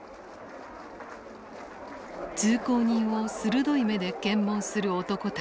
通行人を鋭い目で検問する男たち。